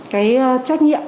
cái trách nhiệm